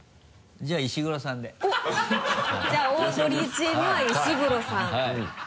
じゃあオードリーチームは石黒さん。